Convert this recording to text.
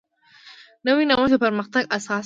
نوی نوښت د پرمختګ اساس دی